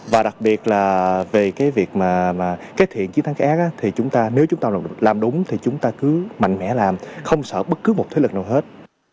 và đặc biệt là về cái thiện chiến thắng ác nếu chúng ta làm đúng thì chúng ta cứ mạnh mẽ làm không sợ bất cứ một thế lực nào hết